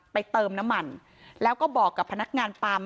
เติมน้ำมันแล้วก็บอกกับพนักงานปั๊ม